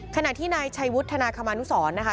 ขณะที่นายชัยวุฒนาคมานุสรนะคะ